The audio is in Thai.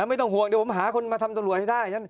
ไม่ต้องห่วงเดี๋ยวผมหาคนมาทำตำรวจให้ได้